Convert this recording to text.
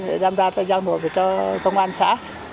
để làm ra cho giao nộp cho công an xã